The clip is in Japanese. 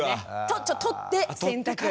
取って洗濯。